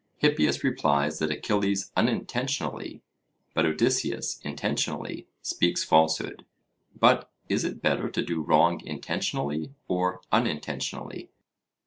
Hippias replies that Achilles unintentionally, but Odysseus intentionally, speaks falsehood. But is it better to do wrong intentionally or unintentionally?